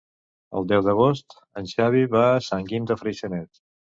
El deu d'agost en Xavi va a Sant Guim de Freixenet.